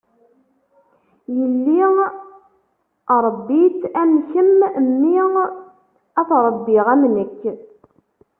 Yelli rebbi-tt am kemm, mmi ad t-rebbiɣ am nekk.